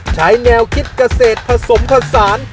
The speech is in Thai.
ใช้แนวคิดเกษตรผสมผสาน